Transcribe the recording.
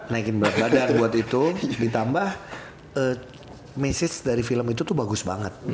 naikin berat badan itu buat itu ditambah message dari film itu tuh bagus banget